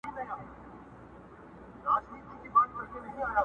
خلګ وایې د قاضي صاب مهماني ده.